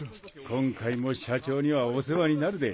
今回も社長にはお世話になるで。